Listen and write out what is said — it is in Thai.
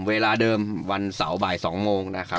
เวลาเดิมวันเสาร์บ่าย๒โมงนะครับ